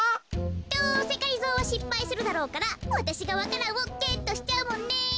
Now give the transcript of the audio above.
どうせがりぞーはしっぱいするだろうからわたしがわか蘭をゲットしちゃうもんね。